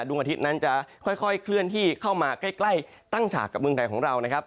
อาทิตย์นั้นจะค่อยเคลื่อนที่เข้ามาใกล้ตั้งฉากกับเมืองไทยของเรานะครับ